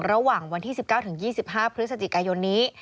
ระหว่างวันที่๑๙๒๕พฤศจิกายนนี้